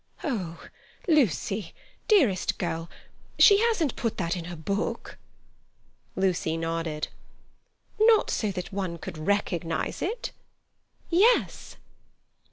"Oh, Lucy, dearest girl—she hasn't put that in her book?" Lucy nodded. "Not so that one could recognize it. Yes."